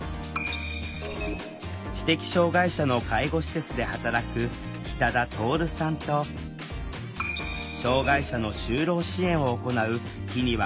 知的障害者の介護施設で働く北田徹さんと障害者の就労支援を行う木庭康輔さん。